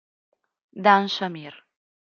Dan Shamir